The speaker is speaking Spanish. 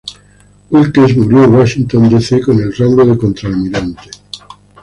Wilkes murió en Washington D. C. con el rango de contraalmirante.